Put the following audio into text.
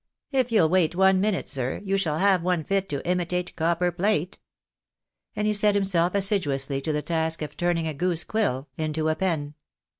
If you'll wait one minute, sir, you shall have one fit to imitate copper plate." And he set himself assiduously to the task of turning a goose quill into a pen.